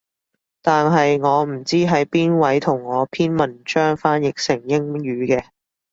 但係我唔知係邊位同我篇文章翻譯成英語嘅